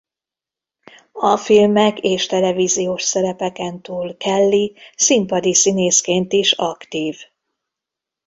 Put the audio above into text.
A filmek és televíziós szerepeken túl Kelly színpadi színészként is aktív.